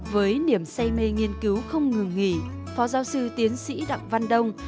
với niềm say mê nghiên cứu không ngừng nghỉ phó giáo sư tiến sĩ đặng văn đông